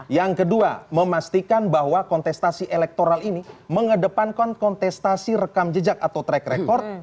yang kedua memastikan bahwa kontestasi elektoral ini mengedepankan kontestasi rekam jejak atau track record